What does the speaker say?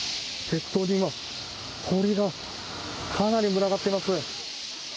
鉄塔には鳥がかなり群がっています。